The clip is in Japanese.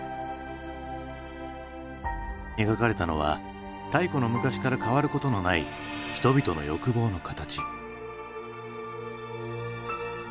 描かれたのは太古の昔から変わることのない人々の欲望の形。